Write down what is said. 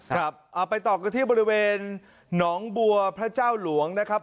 เอาไปต่อกันที่บริเวณหนองบัวพระเจ้าหลวงนะครับ